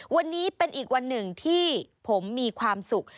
วันนี้เป็นอีกวันหนึ่งที่ผมมีความสุข